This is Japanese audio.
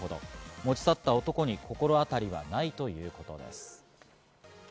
持ち去った男に心当たりはないということです。